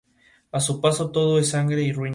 A su paso todo es sangre y ruinas.